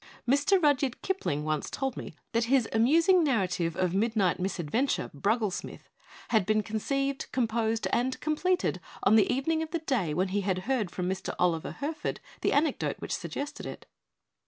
Mr. Rudyard Kipling once told me that his amusing narrative of midnight misadventure, 'Brugglesmith,' had been conceived, composed, and completed on the evening of the day when he had heard from Mr. Oliver Herford the anec dote which suggested it.